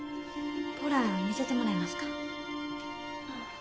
ポラ見せてもらえますか？